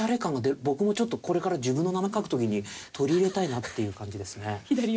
僕もちょっとこれから自分の名前書く時に取り入れたいなっていう感じですね。